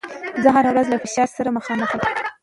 زه هره ورځ له فشار سره مخامخېږم.